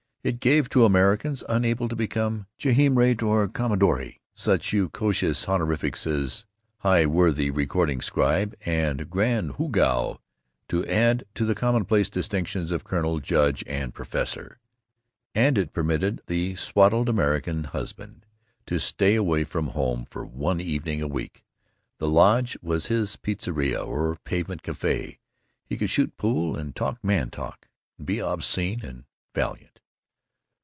It gave to Americans unable to become Geheimräte or Commendatori such unctuous honorifics as High Worthy Recording Scribe and Grand Hoogow to add to the commonplace distinctions of Colonel, Judge, and Professor. And it permitted the swaddled American husband to stay away from home for one evening a week. The lodge was his piazza, his pavement café. He could shoot pool and talk man talk and be obscene and valiant.